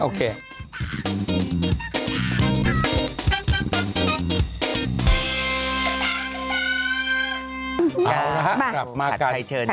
เอานะครับมากันถัดไทยเชิญจ้า